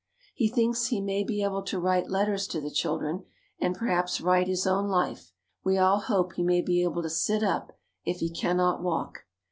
He thinks he may be able to write letters to the children and perhaps write his own life. We all hope he may be able to sit up if he cannot walk.